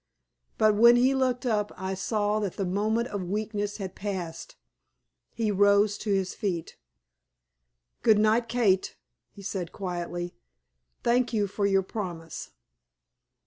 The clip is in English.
But when he looked up I saw that the moment of weakness had passed. He rose to his feet. "Good night, Kate," he said, quietly. "Thank you for your promise."